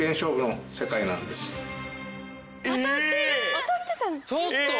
当たってた。